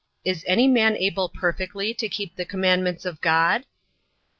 Is any man able perfectly to keep the commandments of God?